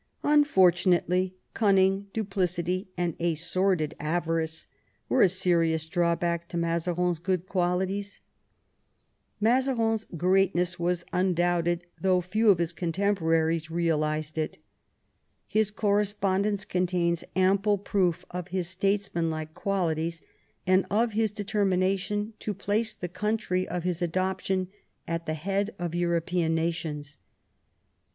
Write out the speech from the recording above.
"Unfortunately, cun ning, duplicity, and a sordid avarice were a serious drawback to Mazarin's good qualities." Mazarin's great ness was undoubted, though few of his contemporaries IX MAZARIN'S DEATH, CHARACTER, AND WORK 167 realised it. His correspondence contains ample proof of his statesmanlike qualities, and of his determination to place the country of his adoption at the head of European nations.